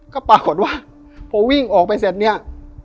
ก็ปรากฏว่าพอวิ่งออกไปเสร็จเนี่ย